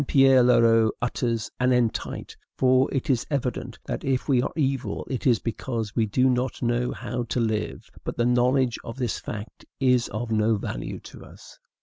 Pierre Leroux utters an entite; for it is evident that if we are evil it is because we do not know how to live; but the knowledge of this fact is of no value to us.